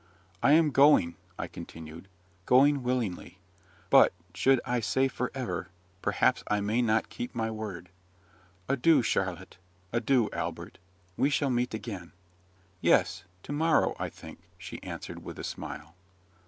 I am going," I continued, "going willingly; but, should I say for ever, perhaps I may not keep my word. Adieu, Charlotte; adieu, Albert. We shall meet again." "Yes: tomorrow, I think," she answered with a smile.